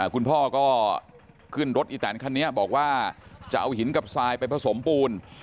คุณพ่อก็ขึ้นรถอีแตนคันนี้บอกว่าจะเอาหินกับทรายไปผสมปูน